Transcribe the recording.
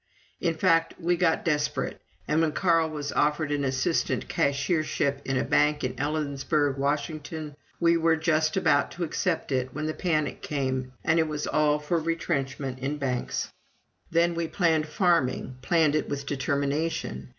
In fact, we got desperate, and when Carl was offered an assistant cashiership in a bank in Ellensburg, Washington, we were just about to accept it, when the panic came, and it was all for retrenchment in banks. Then we planned farming, planned it with determination.